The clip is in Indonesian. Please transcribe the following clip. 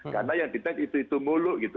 karena yang dites itu itu mulu